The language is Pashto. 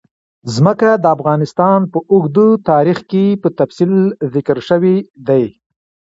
ځمکه د افغانستان په اوږده تاریخ کې په تفصیل ذکر شوی دی.